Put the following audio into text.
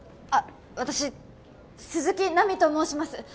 あっ私鈴木奈未と申します